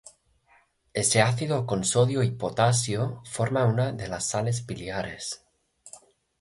Este ácido con sodio y potasio forma una de las sales biliares.